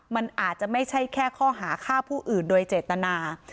มันอาจจะไม่ใช่แค่ข้อหาฆ่าผู้อื่นโดยเจตนา